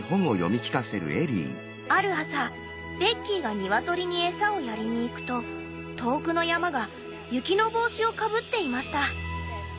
「ある朝ベッキーがニワトリに餌をやりにいくと遠くの山が雪の帽子をかぶっていました。